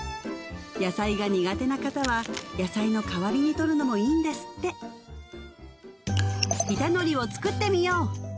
野菜が苦手な方は野菜の代わりにとるのもいいんですって板のりを作ってみよう！